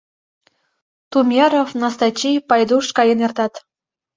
Тумеров, Настачи, Пайдуш каен эртат.